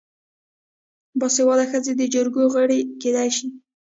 باسواده ښځې د جرګو غړې کیدی شي.